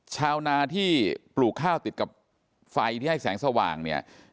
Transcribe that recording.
ชาวนาที่ปลูกข้าวติดกับไฟที่ให้แสงสว่างเนี่ย